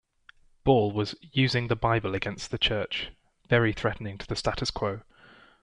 Ball was "using the bible against the church", very threatening to the status quo.